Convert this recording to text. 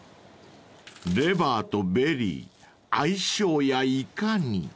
［レバーとベリー相性やいかに？］